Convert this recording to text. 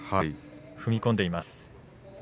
踏み込んでいます。